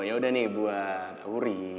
yaudah nih buat wuri